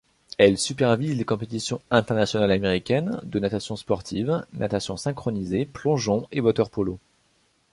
Elle supervise les compétitions internationales américaines de natation sportive, natation synchronisée, plongeon et water-polo.